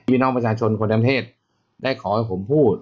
วินักประชาชนคนแดมเทศได้ขอให้ผมพูด